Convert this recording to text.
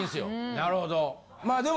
なるほど。